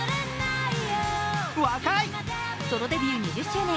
ソロデビュー２０周年。